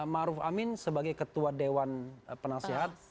ma'ruf amin sebagai ketua dewan penasihat